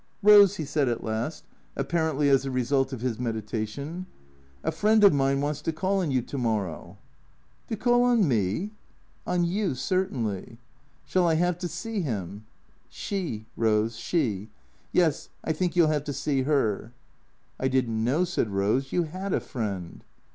" Eose," he said at last, apparently as the result of his medita tion, " a friend of mine Avants to call on you to morrow." " To call on me ?"" On you, certainly." " Shall I have to see him ?"" She, Eose, she. Yes ; I think you '11 have to see her." " I did n't know," said Eose, " you had a friend."